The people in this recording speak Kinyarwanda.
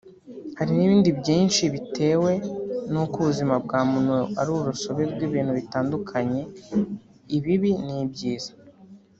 hari n’ibindi byinshi bitewe n’uko ubuzima bwa muntu ari urusobe rw’ibintu bitandukanye; ibibi n’ibyiza